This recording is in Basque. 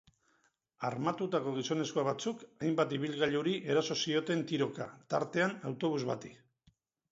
Armatutako gizonezko batzuk hainbat ibilgailuri eraso zioten tiroka, tartean autobus bati.